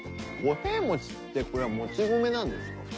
五平餅ってこれはもち米なんですか？